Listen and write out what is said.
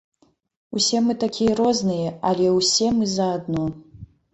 Усе мы такія розныя, але ўсе мы заадно.